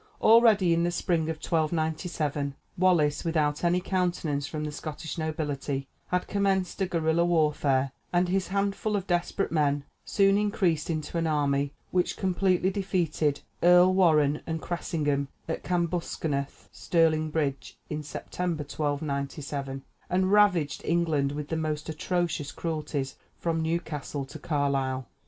Already, in the spring of 1297, Wallace, without any countenance from the Scottish nobility, had commenced a guerilla warfare, and his handful of desperate men soon increased into an army, which completely defeated Earl Warenne and Cressingham at Cambuskenneth (Stirling Bridge), in September, 1297, and ravaged England, with the most atrocious cruelties, from Newcastle to Carlisle.